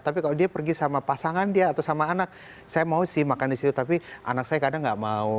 tapi kalau dia pergi sama pasangan dia atau sama anak saya mau sih makan di situ tapi anak saya kadang nggak mau